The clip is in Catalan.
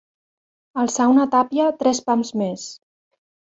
Alçar una tàpia tres pams més.